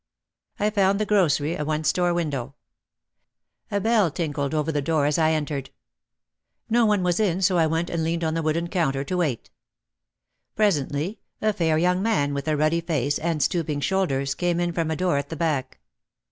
I found the grocery a one window store. A bell tinkled over the door as I entered. No one was in so I went and leaned on the wooden counter to wait. Presently a fair young man with a ruddy face and stooping shoulders came in from a door at the back.